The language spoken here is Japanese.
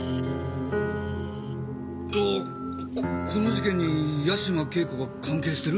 ここの事件に八島景子が関係してる？